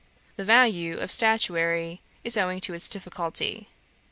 The value of statuary is owing to its difficulty.